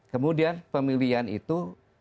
kemudian pemilihan itu